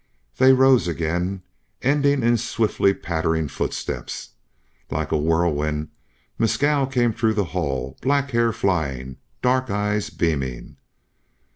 They rose again, ending in swiftly pattering footsteps. Like a whirlwind Mescal came through the hall, black hair flying, dark eyes beaming.